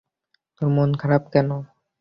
তোর মন খারাপ কেনো?